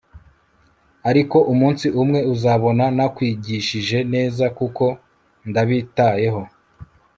Ariko umunsi umwe uzabona nakwigishije neza kuko ndabitayeho